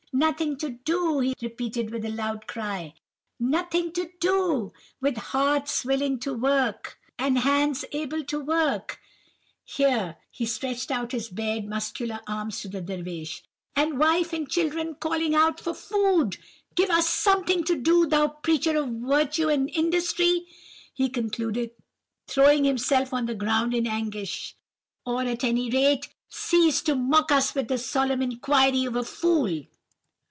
—Nothing to do!' he repeated with a loud cry—'Nothing to do! with hearts willing to work, and hands able to work,'—(here he stretched out his bared, muscular arm to the Dervish,)—'and wife and children calling out for food! Give us something to do, thou preacher of virtue and industry,' he concluded, throwing himself on the ground in anguish; 'or, at any rate, cease to mock us with the solemn inquiry of a fool.